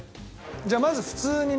じゃあまず普通にね。